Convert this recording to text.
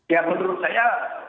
ya menurut saya